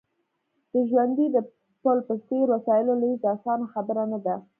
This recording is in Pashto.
د ژرندې د پل په څېر وسایلو لېږد اسانه خبره نه ده